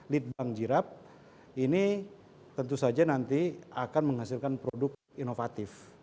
lead bank jirap ini tentu saja nanti akan menghasilkan produk inovatif